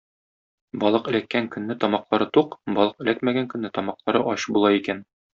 Балык эләккән көнне тамаклары тук, балык эләкмәгән көнне тамаклары ач була икән.